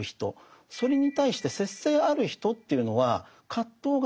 それに対して節制ある人というのは葛藤がない。